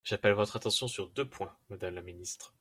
J’appelle votre attention sur deux points, madame la ministre.